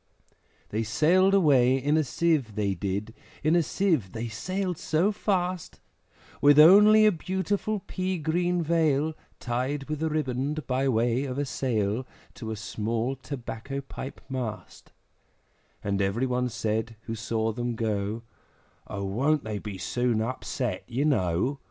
They sailed away in a Sieve, they did, In a Sieve they sailed so fast, With only a beautiful pea green veil Tied with a riband by way of a sail, To a small tobacco pipe mast; And every one said, who saw them go, `O won't they be soon upset, you know!